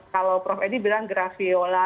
kalau prof edi bilang grafiola